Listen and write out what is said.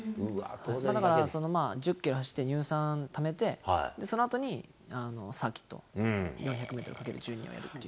だから１０キロ走って、乳酸ためて、そのあとにサーキット、４００メートルかける１２をやると。